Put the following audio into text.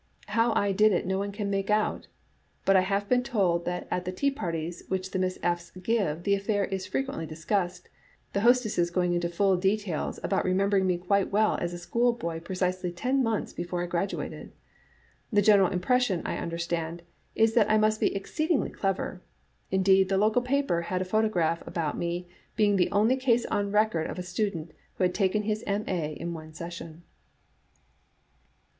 How I did it no one can make out; but I have been told that at the tea parties which the Miss P. 's give the affair is fre quently discussed, the hostesses going into full details about remembering me quite well as a schoolboy pre cisely ten months before I graduated. The general im pression, I understand, is that I must be exceedingly clever ; indeed, the local paper had a paragraph about my being the only case on record of a student who had taken his M.A. in one session.